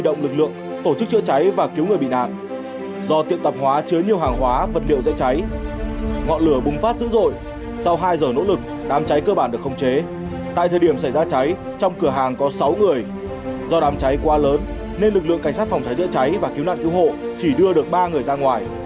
do đám cháy quá lớn nên lực lượng cảnh sát phòng cháy giữa cháy và cứu nạn cứu hộ chỉ đưa được ba người ra ngoài